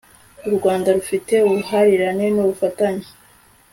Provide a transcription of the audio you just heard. u rwanda rufite ubuhahirane n'ubufatanye